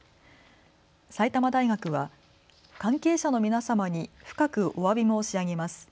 埼玉大学は関係者の皆様に深くおわび申し上げます。